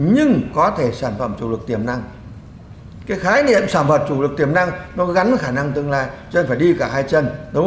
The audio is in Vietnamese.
nhưng có thể sản phẩm chủ lực tiềm năng cái khái niệm sản phẩm chủ lực tiềm năng nó gắn với khả năng tương lai cho nên phải đi cả hai chân